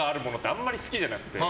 あんまり好きじゃなくて。